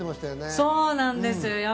そうなんです。